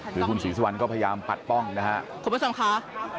คุณศรีสวรรค์ก็พยายามปัดป้องนะฮะ